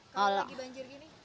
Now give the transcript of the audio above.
kalau lagi banjir gini